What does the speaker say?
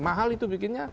mahal itu bikinnya